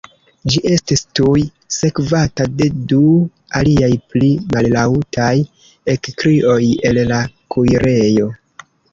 Ĝi estis tuj sekvata de du aliaj pli mallaŭtaj ekkrioj el la kuirejo.